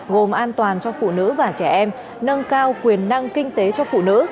gồm an toàn cho phụ nữ và trẻ em nâng cao quyền năng kinh tế cho phụ nữ